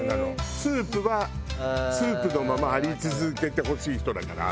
スープはスープのままあり続けてほしい人だから。